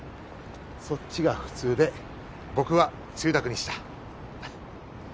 そっちが普通で僕はつゆだくにした。